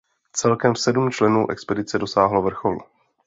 Celkem sedm členů expedice dosáhlo vrcholu.